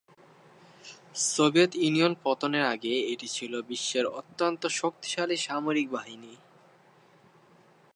Soviet Union পতনের আগে এটি ছিল বিশ্বের অত্যন্ত শক্তিশালী সামরিক বাহিনী।